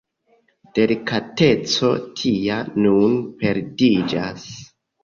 Delikateco tia nun perdiĝas.